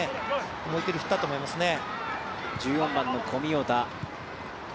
思いっきり振ったと思いますね。